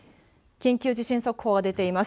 緊急地震速報が出ています。